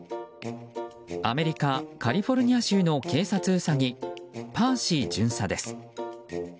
アメリカ・カリフォルニア州の警察ウサギ、パーシー巡査です。